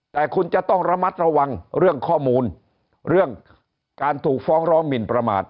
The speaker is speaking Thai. แต่คุณจะต้องระมัดระวังเรื่องข้อมูลเรื่องการถูกฟ้องร้องหมินประมาท